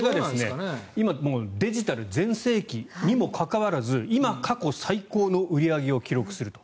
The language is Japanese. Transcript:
今デジタル全盛期にもかかわらず今、過去最高の売り上げを記録すると。